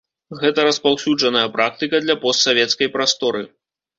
Гэта распаўсюджаная практыка для постсавецкай прасторы.